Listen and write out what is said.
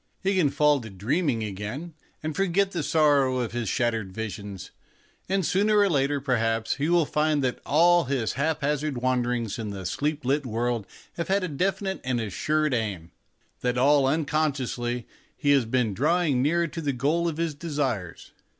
He can fall to dreaming again, and forget the sorrow of his shattered visions ; and sooner or later, perhaps, he will find that all his AN ELECTION TIDE DREAM haphazard wanderings in the sleep lit world have had a definite and assured aim ; that all unconsciously he has been drawing nearer to the goal of his desires.